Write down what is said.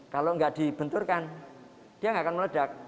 kalau enggak dibenturkan dia enggak akan meledak